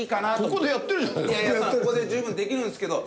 ここで十分できるんですけど。